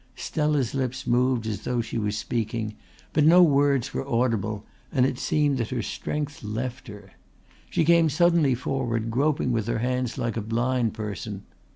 Stella's lips moved as though she were speaking but no words were audible, and it seemed that her strength left her. She came suddenly forward, groping with her hands like a blind person.